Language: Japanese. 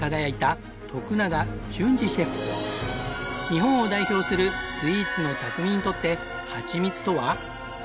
日本を代表するスイーツの匠にとってはちみつとは？